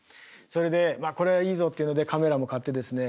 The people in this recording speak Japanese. それでこれはいいぞっていうのでカメラも買ってですね